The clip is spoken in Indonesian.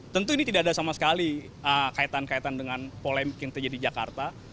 tentu ini tidak ada sama sekali kaitan kaitan dengan polemik yang terjadi jakarta